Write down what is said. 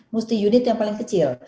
mesti unit yang paling kecil